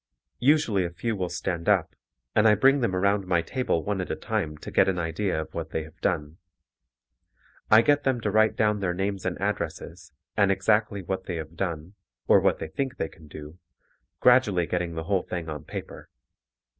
Usually a few will stand up, and I bring them around my table one at a time to get an idea of what they have done. I get them to write down their names and addresses and exactly what they have done or what they think they can do, gradually getting the whole thing on paper.